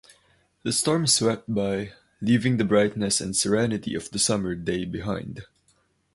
The storm swept by, leaving the brightness and serenity of the summer day behind.